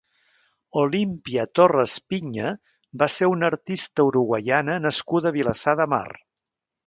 Olimpia Torres Piña va ser una artista uruguaiana nascuda a Vilassar de Mar.